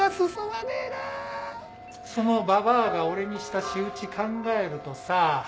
そのババアが俺にした仕打ち考えるとさぁ。